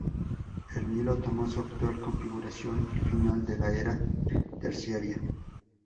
El Nilo tomó su actual configuración al final de la Era Terciaria.